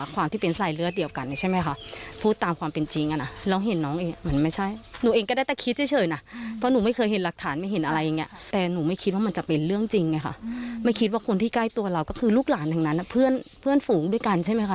คนที่ใกล้ตัวเราก็คือลูกหลานแห่งนั้นนะเพื่อนเพื่อนฝูงด้วยกันใช่ไหมค่ะ